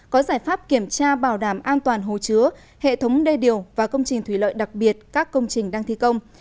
có giải pháp kiểm tra bảo đảm an toàn hồ chứa hệ thống đê điều và công trình thủy lợi đặc biệt các công trình đang thi công